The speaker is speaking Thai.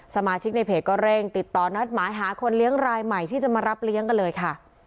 สมาชิกในเพจก็เร่งติดต่อนัดหมายหาคนเลี้ยงรายใหม่ที่จะมารับเลี้ยงกันเลยค่ะ